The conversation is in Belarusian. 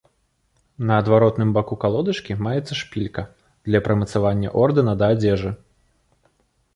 На адваротным баку калодачкі маецца шпілька для прымацавання ордэна да адзежы.